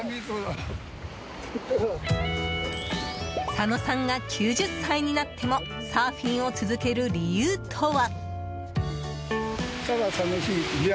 佐野さんが９０歳になってもサーフィンを続ける理由とは。